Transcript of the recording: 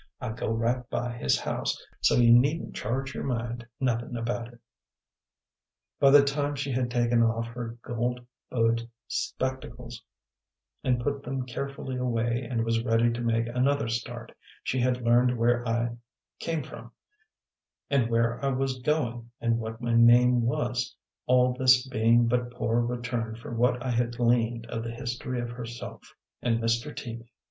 I go right by his house, so you needn't charge your mind nothin' about it." By the time she had taken off her gold bowed spectacles and put them carefully away and was ready to make another start, she had learned where I came from and where I was going and what my name was, all this being but poor return for what I had gleaned of the history of herself and Mr. Teaby.